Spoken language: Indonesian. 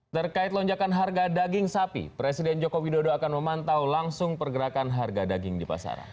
terkait lonjakan harga daging sapi presiden joko widodo akan memantau langsung pergerakan harga daging di pasaran